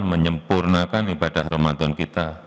menyempurnakan ibadah ramadan kita